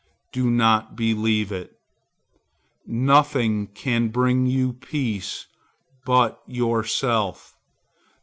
Do not believe it. Nothing can bring you peace but yourself.